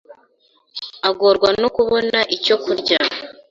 agorwa no kubona icyo kurya